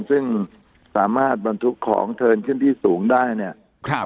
ซึ่งสามารถบรรทุกของเทินขึ้นที่สูงได้เนี่ยครับ